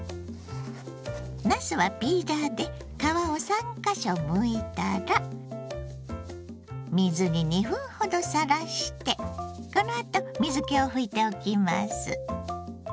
なすはピーラーで皮を３か所むいたら水に２分ほどさらしてこのあと水けを拭いておきます。